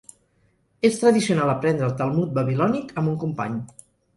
És tradicional aprendre el Talmud babilònic amb un company.